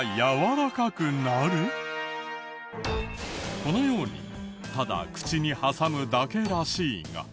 このようにただ口に挟むだけらしいが。